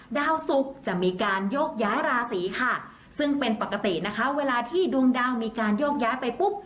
ดาวสุกจะมีการโยกย้ายราศีค่ะซึ่งเป็นปกตินะคะเวลาที่ดวงดาวมีการโยกย้ายไปปุ๊บ